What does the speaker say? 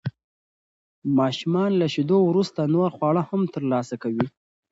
ماشومان له شیدو وروسته نور خواړه هم ترلاسه کوي.